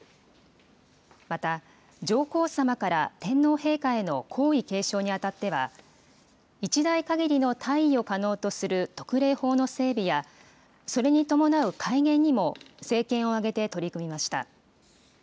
また、上皇さまから天皇陛下への皇位継承にあたっては、一代限りの退位を可能とする特例法の整備や、それに伴う改元にも、政権を挙げて取り組みました。